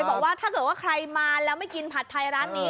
บอกว่าถ้าเกิดว่าใครมาแล้วไม่กินผัดไทยร้านนี้